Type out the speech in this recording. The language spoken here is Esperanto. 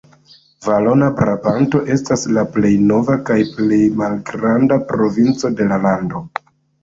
Valona Brabanto estas la plej nova kaj plej malgranda provinco de la lando.